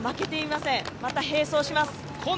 また並走します。